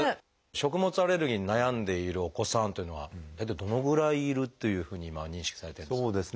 食物アレルギーに悩んでいるお子さんっていうのは大体どのぐらいいるというふうに今は認識されてるんですか？